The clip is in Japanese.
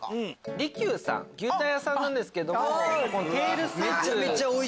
利久さん牛タン屋さんなんですけど。